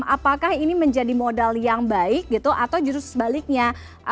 apakah ini menjadi modal yang baik gitu atau justru sebaliknya